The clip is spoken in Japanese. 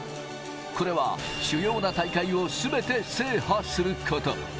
これは主要な大会をすべて制覇すること。